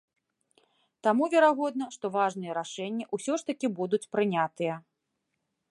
Таму верагодна, што важныя рашэнні ўсё ж такі будуць прынятыя.